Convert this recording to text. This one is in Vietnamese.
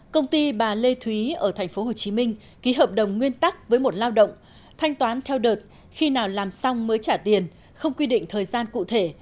công ty bà lê thúy ở tp hcm ký hợp đồng nguyên tắc với một lao động thanh toán theo đợt khi nào làm xong mới trả tiền không quy định thời gian cụ thể